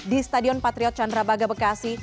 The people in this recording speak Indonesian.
di stadion patriot candrabaga bekasi